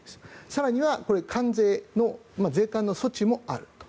更には関税の税関の措置もあると。